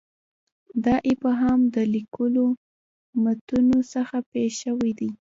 دا ابهام د لیکلو متونو څخه پېښ شوی دی.